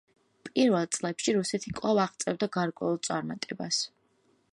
პირველ წლებში რუსეთი კვლავ აღწევდა გარკვეულ წარმატებებს.